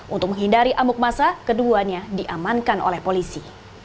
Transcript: untuk menghindari amuk masa keduanya diamankan oleh polisi